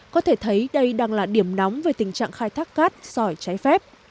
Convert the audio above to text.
có thể thấy đây đang là điểm nóng về tình trạng khai thác cát sỏi trái phép